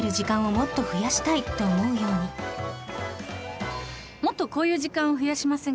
もっとこういう時間増やしませんか？